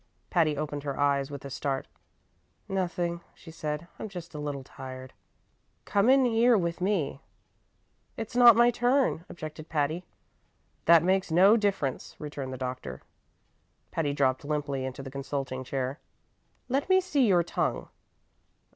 Patty opened her eyes with a start. "Nothing," she said; "I'm just a little tired." "Come in here with me." "It's not my turn," objected Patty. "That makes no difference," returned the doctor. Patty dropped limply into the consulting chair. "Let me see your tongue.